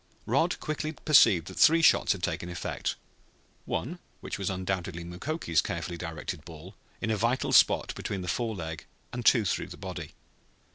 Rod quickly perceived that three shots had taken effect; one, which was undoubtedly Mukoki's carefully directed ball, in a vital spot behind the fore leg, and two through the body.